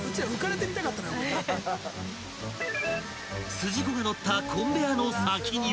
［筋子が乗ったコンベヤーの先には］